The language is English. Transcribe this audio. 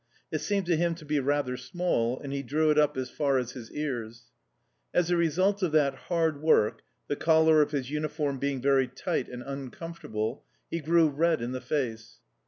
It seemed to him to be rather small, and he drew it up as far as his ears. As a result of that hard work the collar of his uniform being very tight and uncomfortable he grew red in the face.